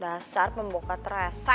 dasar pembuka terasa